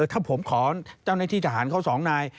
ถ้าผมขอเจ้าหน้าที่ทหารเขาสองนาย